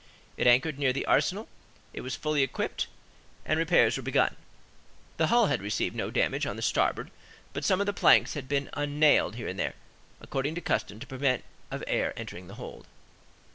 It anchored near the Arsenal; it was fully equipped, and repairs were begun. The hull had received no damage on the starboard, but some of the planks had been unnailed here and there, according to custom, to permit of air entering the hold.